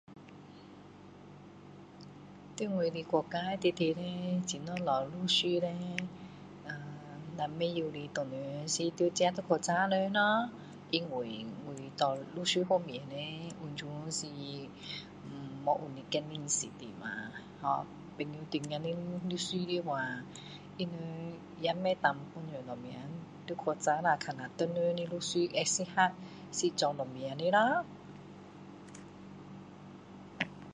在我的国家里面怎样找律师叻呃如果不知道不认识的要去问人咯因为我对律师方面完全是没有一点认识的嘛律师也不能帮助什么要去问看下谁的律师他会适合是做什么的咯